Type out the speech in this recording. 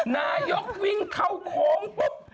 นายกวิ่งเข้าโค้งปุ๊บ